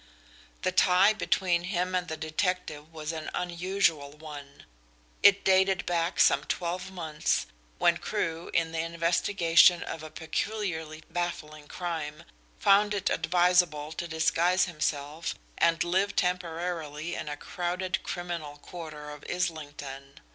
The tie between him and the detective was an unusual one. It dated back some twelve months, when Crewe, in the investigation of a peculiarly baffling crime, found it advisable to disguise himself and live temporarily in a crowded criminal quarter of Islington.